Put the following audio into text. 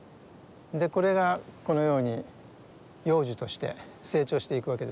これがこのように幼樹として成長していくわけですね。